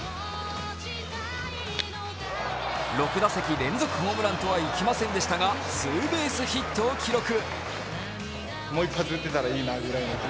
６打席連続ホームランとはいきませんでしたがツーベースヒットを記録。